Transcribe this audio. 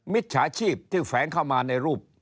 มิจฉาชีพที่แฝงเข้ามาในรูป